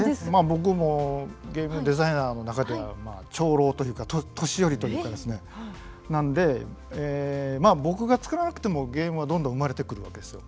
僕もゲームデザイナーの中では長老というか年寄りというかですねなのでまあ僕がつくらなくてもゲームはどんどん生まれてくるわけですよ。